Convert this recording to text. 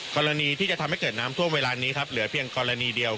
กรณีที่จะทำให้เกิดน้ำท่วมเวลานี้ครับเหลือเพียงกรณีเดียว